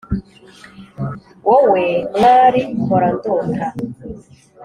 Wowe mwari mpora ndota!